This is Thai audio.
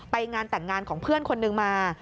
ไปงานแต่งงานของเพื่อนคนหนึ่งมา